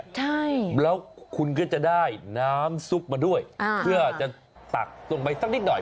ใช่แล้วคุณก็จะได้น้ำซุปมาด้วยอ่าเพื่อจะตักลงไปสักนิดหน่อย